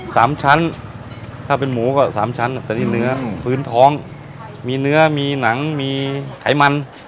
สามชั้นถ้าเป็นหมูก็สามชั้นแต่ที่เนื้อพื้นท้องมีเนื้อมีหนังมีไขมัน